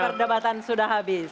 desi perdebatan sudah habis